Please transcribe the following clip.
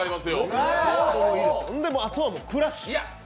で、あとはクラッシュ。